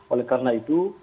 oleh karena itu